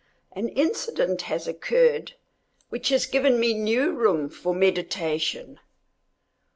An incident has occurred which has given me new room for meditation.